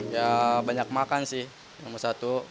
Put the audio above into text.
ya banyak makan sih nomor satu